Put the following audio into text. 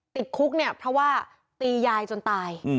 ติดคุกเนี่ยเพราะว่าตียายจนตาย